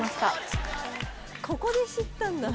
「ここで知ったんだ」